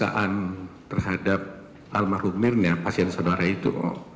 pemirksaan terhadap almarhumirnya pasien saudara itu